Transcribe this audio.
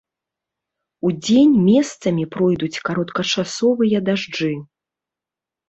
Удзень месцамі пройдуць кароткачасовыя дажджы.